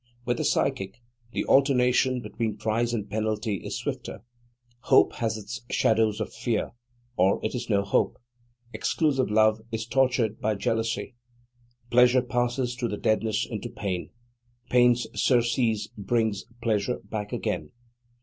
With the psychic, the alternation between prize and penalty is swifter. Hope has its shadow of fear, or it is no hope. Exclusive love is tortured by jealousy. Pleasure passes through deadness into pain. Pain's surcease brings pleasure back again.